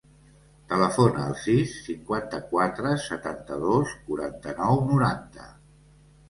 Telefona al sis, cinquanta-quatre, setanta-dos, quaranta-nou, noranta.